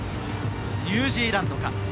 ニュージーランドか？